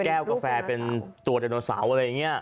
กาแฟเป็นตัวไดโนเสาร์อะไรอย่างนี้